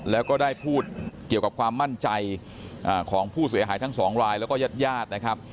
แล้วก็ได้พูดเกี่ยวกับความมั่นใจของผู้เสียหายทั้งสองรายแล้วก็ญาติญาตินะครับ